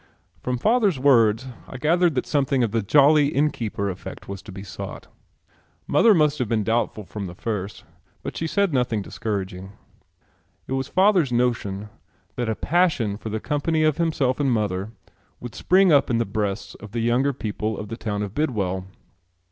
From father's words I gathered that something of the jolly inn keeper effect was to be sought. Mother must have been doubtful from the first, but she said nothing discouraging. It was father's notion that a passion for the company of himself and mother would spring up in the breasts of the younger people of the town of Bidwell.